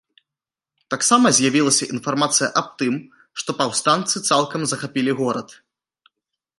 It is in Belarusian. Таксама з'явілася інфармацыя аб тым, што паўстанцы цалкам захапілі горад.